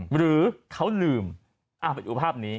หรือเขาลืมเป็นอยู่ภาพนี้